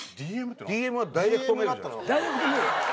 ＤＭはダイレクトメールじゃ。